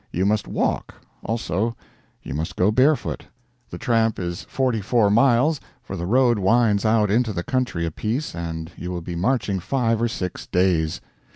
You must walk; also, you must go barefoot. The tramp is forty four miles, for the road winds out into the country a piece, and you will be marching five or six days.